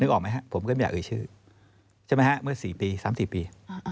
นึกออกไหมครับผมก็ไม่อยากเกิดชื่อใช่ไหมครับเมื่อสี่ปีสามสี่ปี